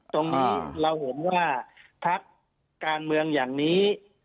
ตรงนี้เราห่วงว่าภักดิ์การเมืองอย่างนี้